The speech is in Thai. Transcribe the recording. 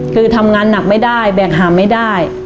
คือทำงานหนักไม่ได้แบ่งหาไม่ได้